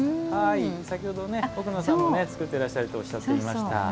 先ほど、奥野さんも作ってらっしゃるとおっしゃっていました。